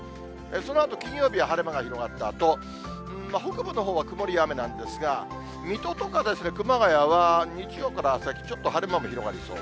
そのあと金曜日は晴れ間が広がったあと、北部のほうは曇りや雨なんですが、水戸とか熊谷は、日曜から先、ちょっと晴れ間も広がりそう。